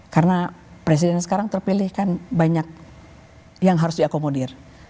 karena presiden sekarang terpilih kan banyak yang harus diakomodir